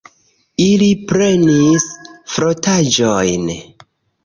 Ili prenis frotaĵojn.